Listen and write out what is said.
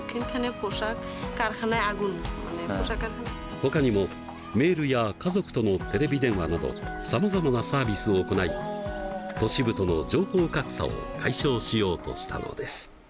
ほかにもメールや家族とのテレビ電話などさまざまなサービスを行い都市部との情報格差を解消しようとしたのです。